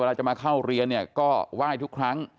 เวลามาเข้าเรียก็ไหว้ทุกครั้ง